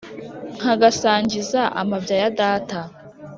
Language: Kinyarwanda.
nkagasangiza amabya ya data